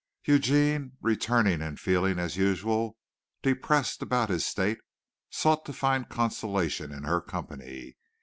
Eugene, returning and feeling, as usual, depressed about his state, sought to find consolation in her company.